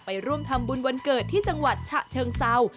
ไปร่วมทำบุญวันเกิดที่จังหวัดฉะเชิงเศร้า